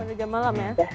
di jam malam ya